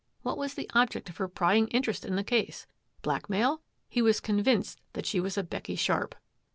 What was the object of her pry ing interest in the case? Blackmail? He was convinced that she was a Becky Sharp.